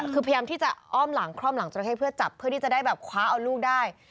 คือพยายามที่จะอ้อมหลังคล่อมหลังจราเข้เพื่อจับเพื่อที่จะได้แบบคว้าเอาลูกได้